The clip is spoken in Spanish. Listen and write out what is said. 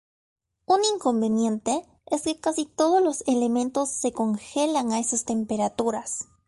Un inconveniente es que casi todos los elementos se congelan a esas temperaturas.